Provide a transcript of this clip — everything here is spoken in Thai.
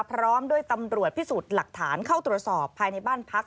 พร้อมด้วยตำรวจพิสูจน์หลักฐานเข้าตรวจสอบภายในบ้านพัก